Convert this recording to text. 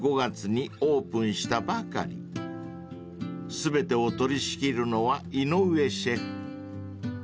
［全てを取り仕切るのは井上シェフ］